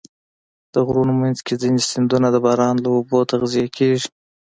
د غرونو منځ کې ځینې سیندونه د باران له اوبو تغذیه کېږي.